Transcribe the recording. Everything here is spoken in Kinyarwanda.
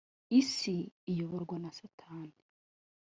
isi iyoborwa na satani